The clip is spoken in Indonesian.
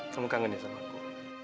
kamu kangen ya sama aku